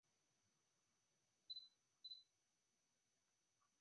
John quickly came to regard this son with jealousy.